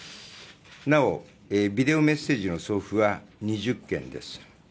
なおビデオメッセージの送付は２０件です。